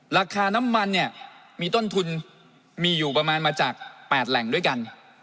ราคาน้ำมันเนี่ยมีต้นทุนมีอยู่ประมาณมาจาก๘แหล่งด้วยกัน